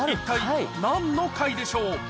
一体何の会でしょう？